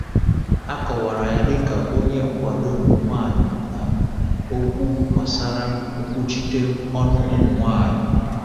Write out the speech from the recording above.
A kowara ya dịka onye nkwado ụmụ nwanyị N'okwụ gbasara nkwuchite ọnụ ụmụ nwanyị.